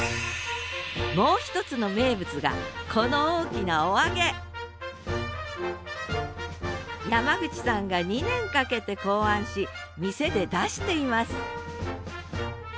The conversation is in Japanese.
もう一つの名物がこの大きなおあげ山口さんが２年かけて考案し店で出しています